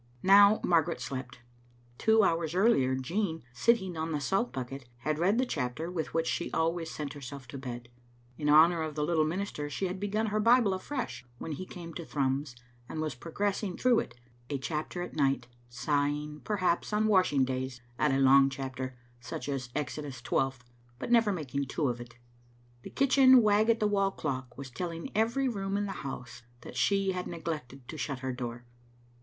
Now Margaret slept. Two hours earlier, Jean, sit ting on the salt bucket, had read the chapter with which she always sent herself to bed. In honour of the little minister she had begun her Bible afresh when he came to Thrums, and was progressing through it, a chapter at night, sighing, perhaps, on washing days at a long chapter, such as Exodus twelfth, but never making two of it. The kitchen wag at the wall clock was telling every room in the house that she had neglected to shut her door.